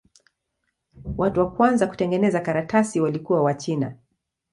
Watu wa kwanza kutengeneza karatasi walikuwa Wachina.